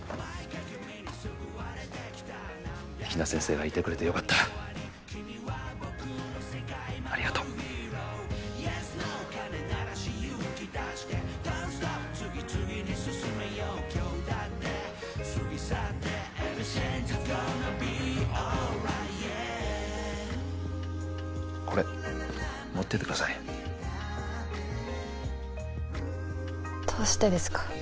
比奈先生がいてくれてよかったありがとうこれ持っててくださいどうしてですか？